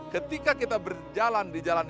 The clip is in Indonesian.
ketika kita berjalan di jalan